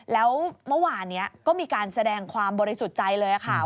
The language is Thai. แล้วเมื่อวานนี้ก็มีการแสดงความบริสุทธิ์ใจเลยค่ะ